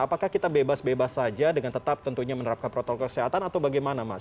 apakah kita bebas bebas saja dengan tetap tentunya menerapkan protokol kesehatan atau bagaimana mas